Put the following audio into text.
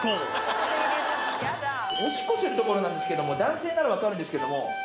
おしっこする所なんですけども男性なら分かるんですけども。